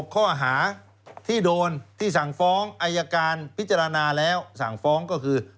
ข้อหาที่โดนที่สั่งฟ้องอายการพิจารณาแล้วสั่งฟ้องก็คือ